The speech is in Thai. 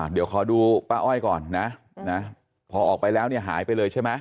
เดี๋ยวขอดูป้าอ้อยก่อนนะพอออกไปแล้วเนี่ยหายไปเลยใช่ไหม